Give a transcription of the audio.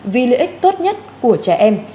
vì lợi ích tốt nhất của trẻ em